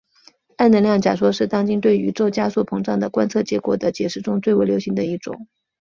暗能量假说是当今对宇宙加速膨胀的观测结果的解释中最为流行的一种。